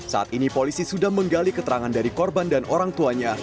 saat ini polisi sudah menggali keterangan dari korban dan orang tuanya